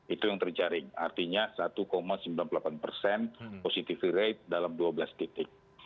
itu yang terjaring artinya satu sembilan puluh delapan persen positivity rate dalam dua belas titik